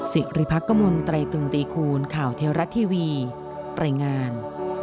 สิริภักษ์กมลไตรตึงตีคูณข่าวเทวรัตน์ทีวีปริงาน